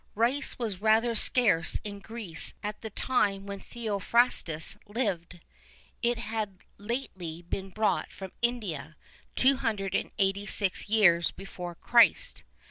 Rice was rather scarce in Greece at the time when Theophrastus lived: it had lately been brought from India, 286 years before Christ.